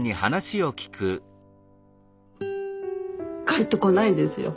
帰ってこないんですよ。